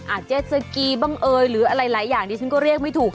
เจ็ดสกีบ้างเอ่ยหรืออะไรหลายอย่างดิฉันก็เรียกไม่ถูก